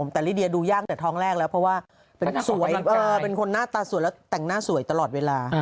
แต่ลิเดียดูยากแต่ท้องแรกแล้วเพราะว่าเป็นคนหน้าตาสวยแล้วแต่งหน้าสวยตลอดเวลา